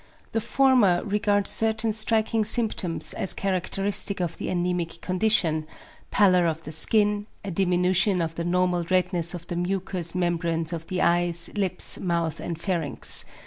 The former regards certain striking symptoms as characteristic of the anæmic condition; pallor of the skin, a diminution of the normal redness of the mucous membranes of the eyes, lips, mouth, and pharynx.